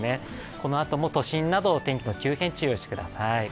このあとも都心など天気の急変、注意をしてください。